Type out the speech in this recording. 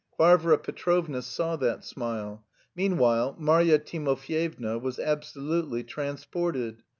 Varvara Petrovna saw that smile. Meanwhile Marya Timofyevna was absolutely transported.